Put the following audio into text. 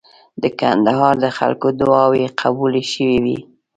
د کندهار د خلکو دعاوي قبولې شوې وې.